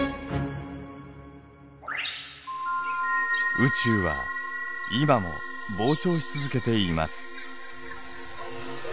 宇宙は今も膨張し続けています。